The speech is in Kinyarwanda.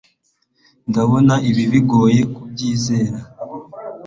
ndabona ibi bigoye kubyizera